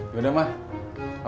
ya udah siapka